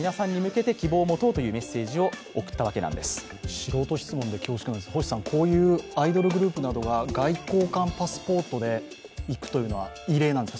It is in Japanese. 素人質問で恐縮なんですが、こういうアイドルグループなどが外交官パスポートで行くというのは異例なんですか？